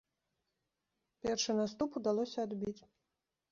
Першы наступ удалося адбіць.